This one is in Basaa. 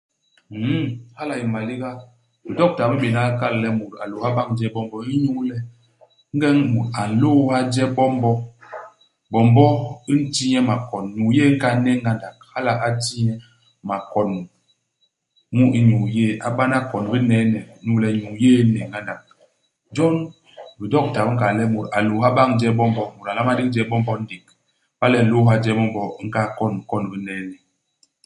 Nn. Hala a yé maliga. Bidokta bi m'béna kal le mut a lôôha bañ je bombo, inyu le, ingeñ mut a nlôôha je bombo, bombo i nti nye makon. Nyuu yéé i nkahal ne ngandak, hala a ti nye makon mu i nyuu yéé. A bana kon u bineene. Inyu le nyuu yéé i n'ne ngandak. Jon, bidokta bi nkal le mut a lôôha bañ je bombo. Mut a nlama ndigi je bombo ndék. Iba le u nlôôha je bombo, u nkahal kon kon u bineene.